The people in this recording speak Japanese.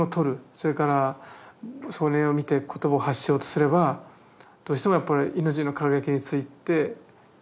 それからそれを見て言葉を発しようとすればどうしてもやっぱり命の輝きについてそれを表現してしまう。